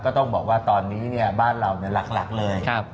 ต้องบอกว่าตอนนี้บ้านเราหลักเลย